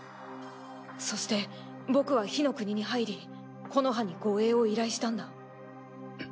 そして僕は火の国に入り木ノ葉に護衛を依頼したんだ。